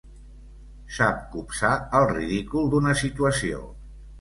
Sap copsar el ridícul d'una situació.